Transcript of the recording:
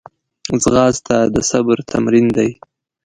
ځغاسته د صبر تمرین دی